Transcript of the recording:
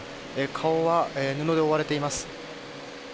顔は布で覆われています。